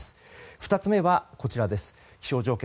２つ目は、気象条件。